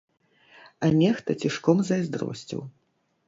А нехта цішком зайздросціў.